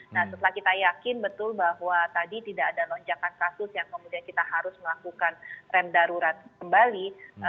nah setelah kita yakin betul bahwa tadi tidak ada lonjakan kasus yang kemudian kita harus melakukan rem darurat kembali